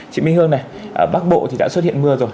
chị minh hương này bắc bộ thì đã xuất hiện mưa rồi